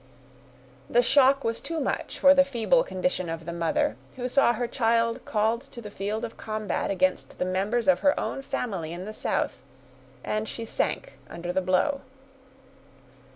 The shock was too much for the feeble condition of the mother, who saw her child called to the field to combat against the members of her own family in the South, and she sank under the blow.